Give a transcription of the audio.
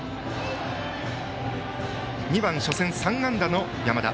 ２番、初戦３安打の山田。